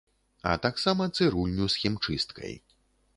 А таксама цырульню з хімчысткай.